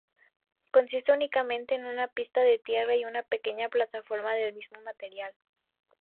Consiste únicamente en una pista de tierra y una pequeña plataforma del mismo material.